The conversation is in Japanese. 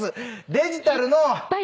デジタルの。